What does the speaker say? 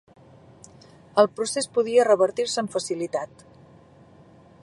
El procés podia revertir-se amb facilitat.